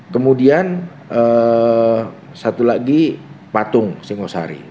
kemudian satu lagi patung singosari